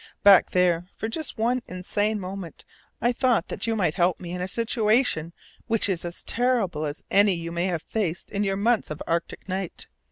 Back there, for just one insane moment, I thought that you might help me in a situation which is as terrible as any you may have faced in your months of Arctic night.